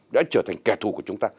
đã trở thành kẻ thù của chúng ta